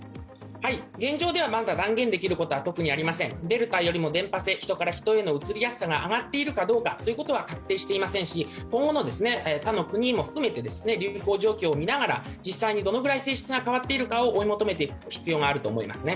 現状ではまだ断言できることは特にありません、デルタよりも伝ぱ性人から人の移りやすさが上がっているかは確認されていませんし、今後の他の国も含めて流行状況を見ながら実際にどのくらい性質が変わっているか追い求めていく必要があると思いますね。